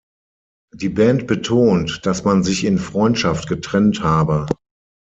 Die Band betont, dass man sich in Freundschaft getrennt habe.